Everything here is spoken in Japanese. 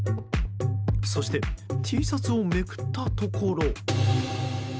そしてＴシャツをめくったところ。